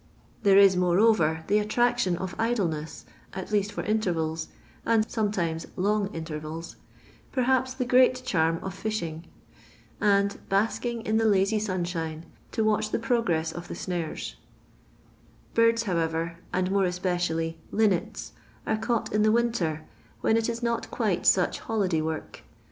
Tbait is, moreover, the attraction of idleneos, at least far intervals, and sometimes long intervals — pcriuM the great charm of fishing — and basking in tie laiy sunshine, to watch the progress of the i Birds, however, and more especially Iinnota» ait caught in the winter, when it is not quite soch holiday work.